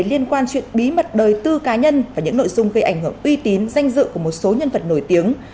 liên quan chuyện bí mật đời tư cá nhân và những nội dung gây ảnh hưởng uy tín danh dự của một số nhân vật nổi tiếng